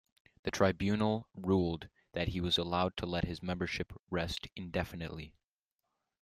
The tribunal ruled that he was allowed to let his membership rest indefinitely.